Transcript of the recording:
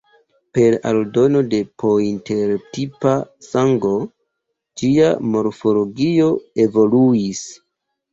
Per aldono de pointer-tipa sango, ĝia morfologio evoluis.